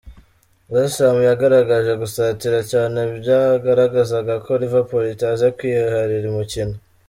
West Ham yagaragaje gusatira cyane, byagaragazaga ko Liverpool itaza kwiharira umukino.